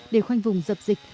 để khoanh vùng dập dịch